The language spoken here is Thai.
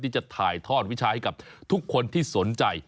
จะถ่ายทอดวิชาให้กับทุกคนที่สนใจ